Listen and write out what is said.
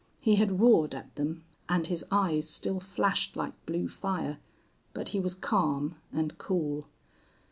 He had roared at them, and his eyes still flashed like blue fire, but he was calm and cool.